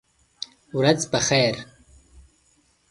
ورځ په خیر !